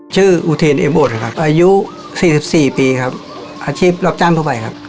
เชื่ออุทีณเอลบดครับอายุ๔๔ปีครับอาชีพรับจ้างทั่วไปครับ